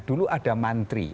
dulu ada mantri